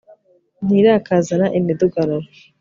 ntirakazana imidugararo